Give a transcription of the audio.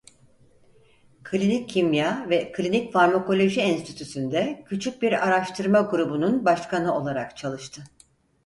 Klinik Kimya ve Klinik Farmakoloji Enstitüsü'nde küçük bir araştırma grubunun başkanı olarak çalıştı.